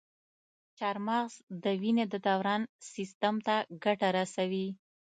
چارمغز د وینې د دوران سیستم ته ګټه رسوي.